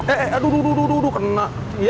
eh aduh aduh aduh aduh kena